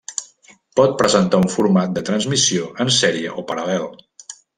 Pot presentar un format de transmissió en sèrie o paral·lel.